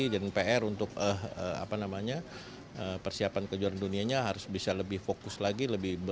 dan pr untuk persiapan kejuaraan dunianya harus bisa lebih fokus lagi